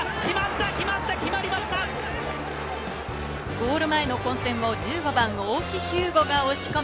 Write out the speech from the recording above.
ゴール前の混戦を１５番・大木彪悟が押し込み